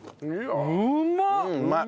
うまっ！